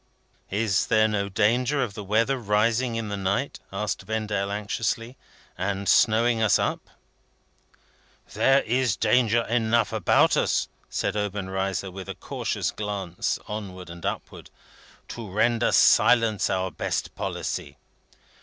"Is there no danger of the weather rising in the night," asked Vendale, anxiously, "and snowing us up?" "There is danger enough about us," said Obenreizer, with a cautious glance onward and upward, "to render silence our best policy.